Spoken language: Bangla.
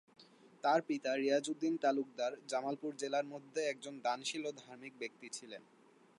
তার পিতা রিয়াজ উদ্দিন তালুকদার জামালপুর জেলার মধ্যে একজন দানশীল ও ধার্মিক ব্যক্তি ছিলেন।